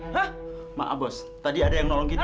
hah maaf bos tadi ada yang nolong kita